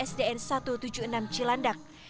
sdn satu ratus tujuh puluh enam cilandak